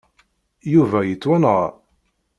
Yuba yettwanɣa.